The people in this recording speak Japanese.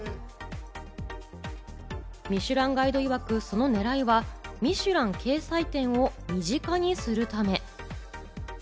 『ミシュランガイド』いわく、そのねらいはミシュラン掲載店を身近にするため。